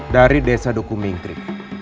dari desa duku mingkri